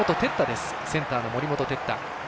センターの森本哲太。